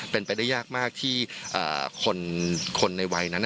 เป็นไปได้ยากมากที่คนในวัยนั้น